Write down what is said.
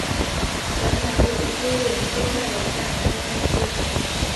原来有一堆人都在楼下餐厅吃